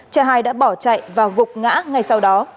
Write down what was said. cha hai đã bỏ chạy và gục ngã ngay sau đó